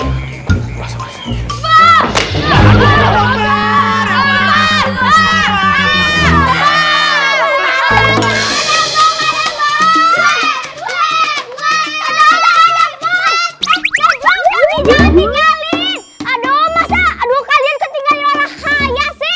aduh masa kalian ketinggalin orang kaya sih